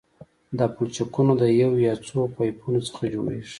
دا پلچکونه د یو یا څو پایپونو څخه جوړیږي